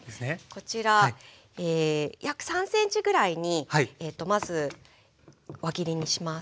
こちら約３ｃｍぐらいにまず輪切りにします。